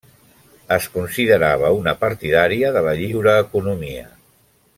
Es considerava una partidària de la lliure economia.